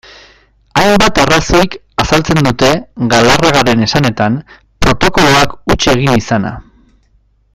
Hainbat arrazoik azaltzen dute, Galarragaren esanetan, protokoloak huts egin izana.